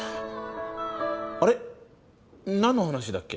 あれ何の話だっけ？